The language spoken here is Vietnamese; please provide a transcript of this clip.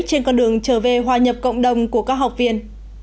trên con đường trở về hòa nhập cộng đồng của các học viên